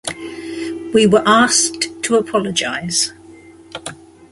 We were asked to apologize.